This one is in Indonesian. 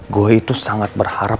gue itu sangat berharap